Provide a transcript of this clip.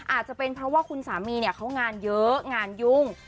อาจจะเป็นเพราะว่าคุณสามีเนี่ยเขางานเยอะงานยุ่ง